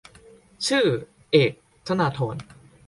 ชื่อ : เอก ธนาธร